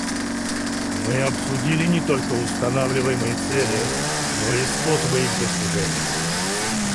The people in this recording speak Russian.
Мы обсудили не только устанавливаемые цели, но и способы их достижения.